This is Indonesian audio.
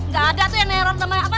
gak ada tuh yang neror sama apa